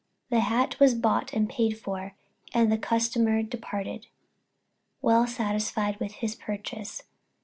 The hat was bought and paid for and the customer departed, well satisfied with his purchase.